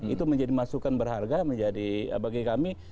itu menjadi masukan berharga menjadi bagi kami